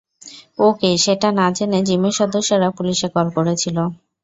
ও কে সেটা না জেনে জিমের সদস্যরা পুলিশে কল করেছিল।